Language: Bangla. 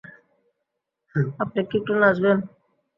আপনি কি একটু নাচবেন?